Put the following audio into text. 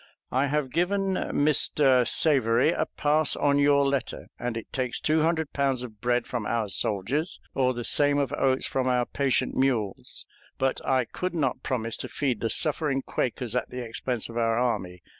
I have given Mr. Savery a pass on your letter, and it takes two hundred pounds of bread from our soldiers, or the same of oats from our patient mules; but I could not promise to feed the suffering Quakers at the expense of our army.